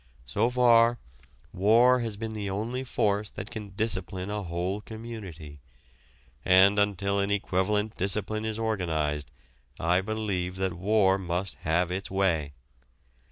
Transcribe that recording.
So far, war has been the only force that can discipline a whole community, and until an equivalent discipline is organized I believe that war must have its way.